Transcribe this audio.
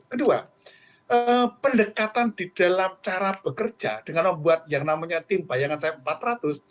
kedua pendekatan di dalam cara bekerja dengan membuat yang namanya tim bayangan saya empat ratus